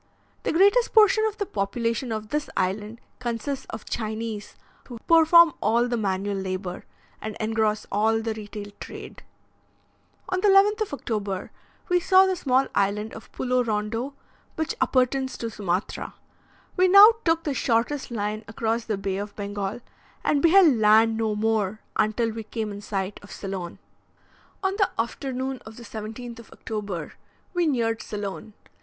The greatest portion of the population of this island consists of Chinese, who perform all the manual labour, and engross all the retail trade. On the 11th of October we saw the small island of Pulo Rondo, which appertains to Sumatra. We now took the shortest line across the Bay of Bengal, and beheld land no more until we came in sight of Ceylon. On the afternoon of the 17th of October, we neared Ceylon.